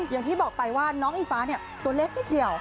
อย่างที่บอกไปว่าน้องอิงฟ้าตัวเล็กนิดเดียว